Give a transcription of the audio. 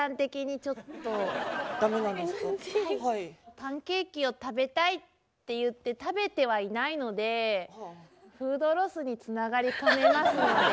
「パンケーキを食べたい」って言って食べてはいないのでフードロスにつながりかねますので。